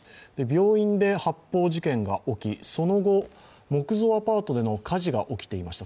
病院で発砲事件が起き、その後、木造アパートでの火事が起きていました。